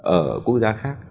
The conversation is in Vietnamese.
ở quốc gia khác